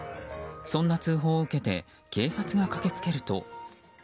そんな通報を受けて警察が駆けつけると。